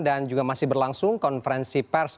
dan juga masih berlangsung konferensi pers